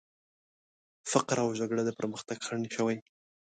فقر او جګړه د پرمختګ خنډ شوي.